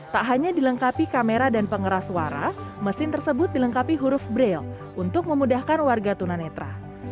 tak hanya dilengkapi kamera dan pengeras suara mesin tersebut dilengkapi huruf braille untuk memudahkan warga tunanetra